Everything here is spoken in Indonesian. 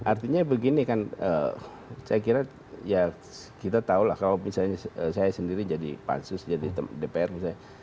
artinya begini kan saya kira ya kita tahu lah kalau misalnya saya sendiri jadi pansus jadi dpr misalnya